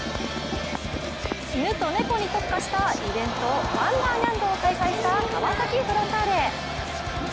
イヌとネコに特化したイベント、ワンダーニャンドを開催した川崎フロンターレ。